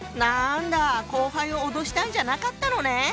後輩を脅したんじゃなかったのね！